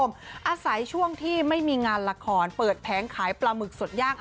อาศัยช่วงที่ไม่มีงานละครเปิดแผงขายปลาหมึกสดย่าง